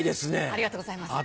ありがとうございます。